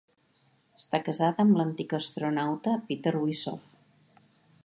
Està casada amb l'antic astronauta Peter Wisoff.